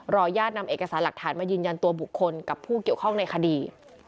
ญาตินำเอกสารหลักฐานมายืนยันตัวบุคคลกับผู้เกี่ยวข้องในคดี